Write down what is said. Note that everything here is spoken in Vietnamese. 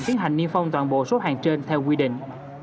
tiến hành niêm phong toàn bộ số hàng trên theo quy định